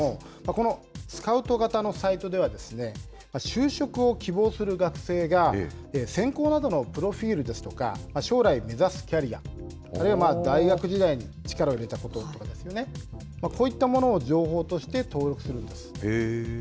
このスカウト型のサイトでは、就職を希望する学生が、専攻などのプロフィールですとか、将来目指すキャリア、あるいは大学時代に力を入れたこととかですよね、こういったものを情報として登録するんです。